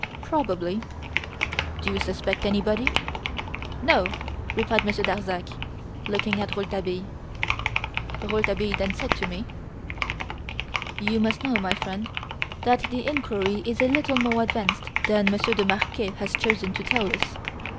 "Probably." "Do you suspect anybody?" "No," replied Monsieur Darzac, looking at Rouletabille. Rouletabille then said to me: "You must know, my friend, that the inquiry is a little more advanced than Monsieur de Marquet has chosen to tell us.